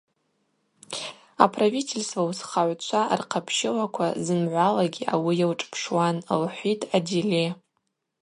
Аправительства уысхагӏвчва рхъапщылаква зымгӏвалагьи ауи йылшӏпшуан, – лхӏвитӏ Адиле.